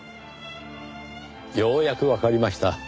ようやくわかりました。